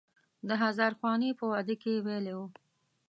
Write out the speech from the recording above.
د هزار خوانې په واده کې یې ویلی و.